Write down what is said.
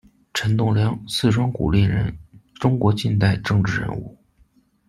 陈栋梁，四川古蔺人，中国近代政治人物。